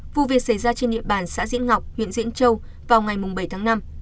vụ việc xảy ra trên địa bàn xã diễn ngọc huyện diễn châu vào ngày bảy tháng năm